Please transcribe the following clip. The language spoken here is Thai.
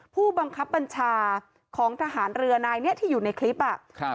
ผู้บังคับบัญชาของทหารเรือนายเนี้ยที่อยู่ในคลิปอ่ะครับ